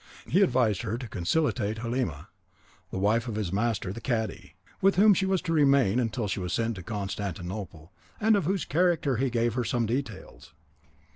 He advised her to conciliate Halima, the wife of his master the cadi, with whom she was to remain until she was sent to Constantinople, and of whose character he gave her some details.